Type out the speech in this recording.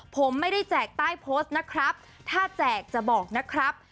ผมไม่ได้แจกใต้โพสต์นะครับถ้าแจกจะบอกนะครับ